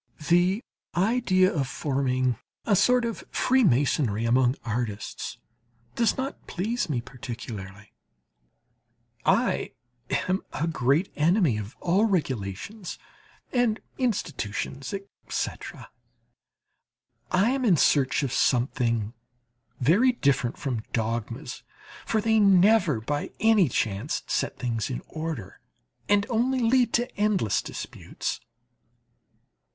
The idea of forming a sort of freemasonry among artists does not please me particularly; I am a great enemy of all regulations and institutions, etc. I am in search of something very different from dogmas, for they never by any chance set things in order, and only lead to endless disputes.